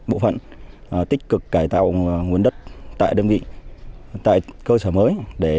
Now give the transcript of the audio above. bộ phận tích cực cải tạo nguồn đất tại đơn vị tại cơ sở mới